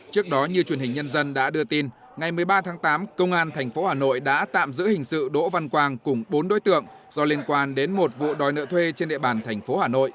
trước đó như truyền hình nhân dân đã đưa tin ngày một mươi ba tháng tám công an tp hà nội đã tạm giữ hình sự đỗ văn quang cùng bốn đối tượng do liên quan đến một vụ đòi nợ thuê trên địa bàn thành phố hà nội